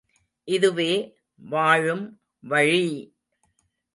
இதுவே வாழும் வழி!